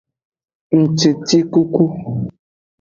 Ngshishikuku.